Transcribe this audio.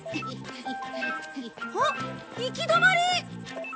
あっ行き止まり！